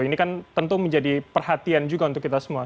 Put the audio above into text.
ini kan tentu menjadi perhatian juga untuk kita semua